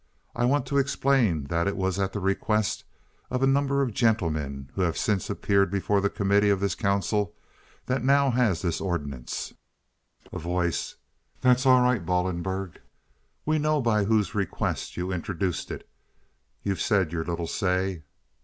I want to explain that it was at the request of a number of gentlemen who have since appeared before the committee of this council that now has this ordinance—" A Voice. "That's all right, Ballenberg. We know by whose request you introduced it. You've said your little say."